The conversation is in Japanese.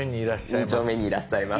２丁目にいらっしゃいます。